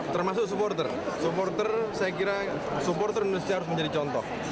termasuk supporter supporter saya kira supporter indonesia harus menjadi contoh